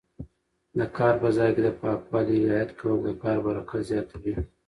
د کار په ځای کې د پاکوالي رعایت کول د کار برکت زیاتوي.